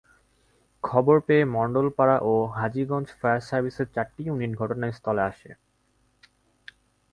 খবর পেয়ে মণ্ডলপাড়া ও হাজীগঞ্জ ফায়ার সার্ভিসের চারটি ইউনিট ঘটনাস্থল আসে।